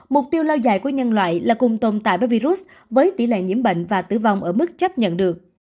mục tiêu lâu dài của nhân loại là cùng tồn tại với virus với tỷ lệ nhiễm bệnh và tử vong ở mức chấp nhận được